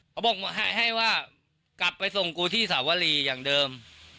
เขาบอกให้ว่ากลับไปส่งกูที่สาวรีอย่างเดิม